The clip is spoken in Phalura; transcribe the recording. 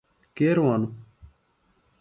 کے روانوۡ؟